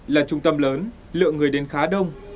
là trung tâm lớn lượng người đến khá đông